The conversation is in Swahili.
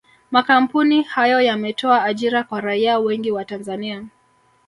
Makampuni hayo yametoa ajira kwa raia wengi wa Tanzania